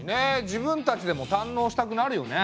自分たちでも堪能したくなるよね。